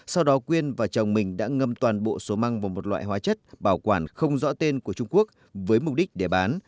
sau đó quyên và chồng mình đã ngâm toàn bộ số măng và một loại hóa chất bảo quản không rõ tên của trung quốc với mục đích để bán